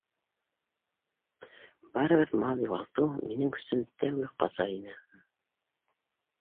Барыбер мал юғалтыу минең өсөн тәүге ҡаза ине.